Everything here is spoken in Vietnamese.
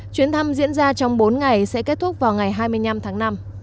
chuyến thăm diễn ra trong bốn ngày sẽ kết thúc vào ngày hai mươi năm tháng năm